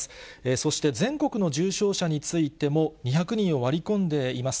そして、全国の重症者についても２００人を割り込んでいます。